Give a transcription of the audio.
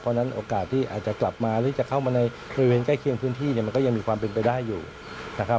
เพราะฉะนั้นโอกาสที่อาจจะกลับมาหรือจะเข้ามาในบริเวณใกล้เคียงพื้นที่เนี่ยมันก็ยังมีความเป็นไปได้อยู่นะครับ